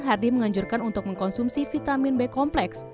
hardy menganjurkan untuk mengkonsumsi vitamin b kompleks